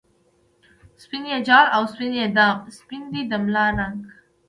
سپین یی جال او سپین یی دام ، سپین دی د ملا رنګ